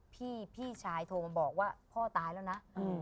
พี่พี่ชายโทรมาบอกว่าพ่อตายแล้วนะ